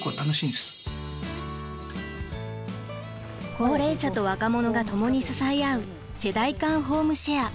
高齢者と若者がともに支え合う世代間ホームシェア。